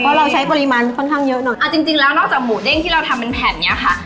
เพราะเราใช้ปริมาณค่อนข้างเยอะหน่อยอ่าจริงจริงแล้วนอกจากหมูเด้งที่เราทำเป็นแผ่นเนี้ยค่ะ